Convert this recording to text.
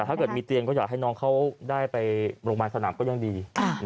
ถ้าเกิดมีเตียงก็อยากให้น้องเขาได้ไปโรงพยาบาลสนามก็ยังดี